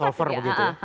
problem solver begitu ya